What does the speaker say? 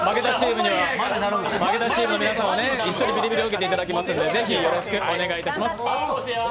負けたチームの皆さんは一緒にビリビリを受けていただきますので、ぜひ、よろしくお願いいたします。